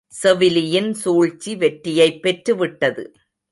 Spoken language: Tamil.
செவிலியின் சூழ்ச்சி வெற்றியைப் பெற்று விட்டது.